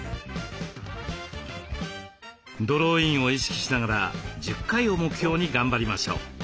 ドローインを意識しながら１０回を目標に頑張りましょう。